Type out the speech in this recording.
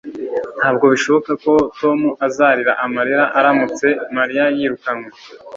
Ntabwo bishoboka ko Tom azarira amarira aramutse Mariya yirukanwe